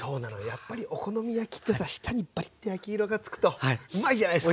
やっぱりお好み焼きってさ下にバリッて焼き色がつくとうまいじゃないっすか。